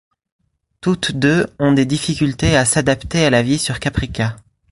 Toutes deux ont des difficultés à s'adapter à la vie sur Caprica.